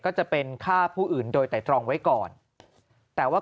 ก็จะเป็นฆ่าผู้อื่นโดยไตรตรองไว้ก่อนแต่ว่า